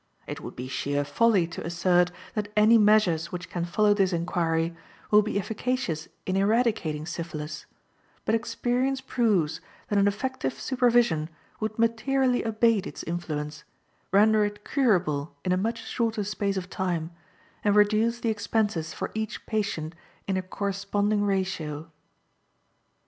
It would be sheer folly to assert that any measures which can follow this inquiry will be efficacious in eradicating syphilis, but experience proves that an effective supervision would materially abate its influence, render it curable in a much shorter space of time, and reduce the expenses for each patient in a corresponding ratio.